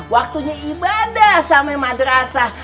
waktunya ibadah samai madrasah